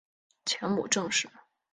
前母郑氏。